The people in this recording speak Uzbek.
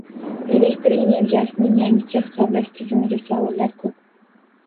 Elektr energiyasining yangicha hisoblash tizimiga savollar koʻp.